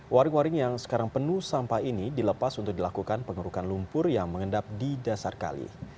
waring waring yang sekarang penuh sampah ini dilepas untuk dilakukan pengerukan lumpur yang mengendap di dasar kali